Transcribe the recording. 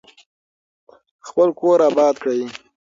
خپل کور اباد کړئ.